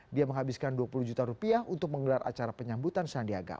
dia menghabiskan dua puluh juta rupiah untuk menggelar acara penyambutan sandiaga